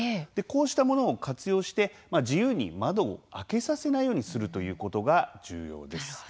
こうしたものを活用して自由に窓を開けさせないようにするということが重要です。